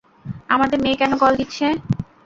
আমার মেয়ে কেন কল দিচ্ছে?